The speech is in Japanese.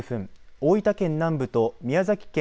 大分県南部と宮崎県